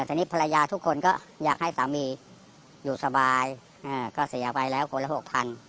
แต่นี่ภรรยาทุกคนก็อยากให้สามีอยู่สบายก็เสียไปแล้วคนละหกพัน